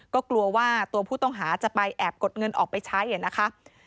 ก็กลัวว่าตัวผู้ต้องหาจะไปแอบกดเงินออกไปใช้นะคะ